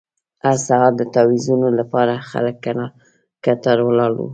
هر سهار د تاویزونو لپاره خلک کتار ولاړ وو.